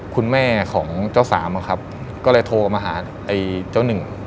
คุณแม่ของเจ้าสามอะครับก็เลยโทรมาหาไอ้เจ้าหนึ่ง